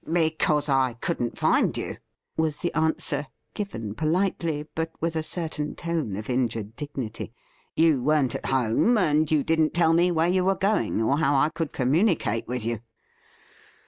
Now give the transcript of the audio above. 'Because I couldn't find you,' was the answer, given politely, but with a certain tone of injured dignity. ' You weren't at home, and you didn't tell me where you were going, or how I could communicate with you.'